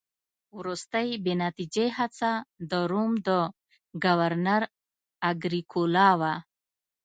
وروستۍ بې نتیجې هڅه د روم د ګورنر اګریکولا وه